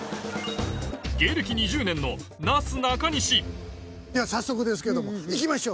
芸歴２０年のなすなかにしでは早速ですけども行きましょう。